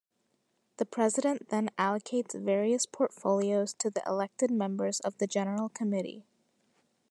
The president then allocates various portfolios to the elected members of the general committee.